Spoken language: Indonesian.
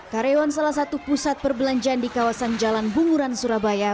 karyawan salah satu pusat perbelanjaan di kawasan jalan bunguran surabaya